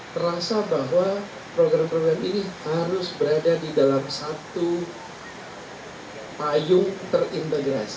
terasa bahwa program program ini harus berada di dalam satu payung terintegrasi